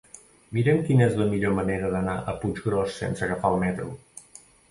Mira'm quina és la millor manera d'anar a Puiggròs sense agafar el metro.